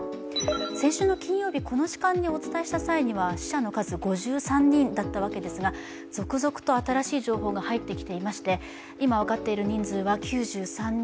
先週の金曜日、この時間にお伝えしたときには死者の数、５５人だったわけですが続々と新しい情報が入ってきていまして今分かっている人数は９３人。